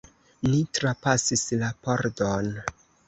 Ni trapasis la pordon.